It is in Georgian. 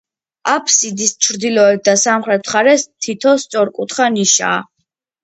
აბსიდის ჩრდილოეთ და სამხრეთ მხარეს თითო სწორკუთხა ნიშაა.